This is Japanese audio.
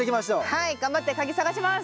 はい頑張って鍵探します！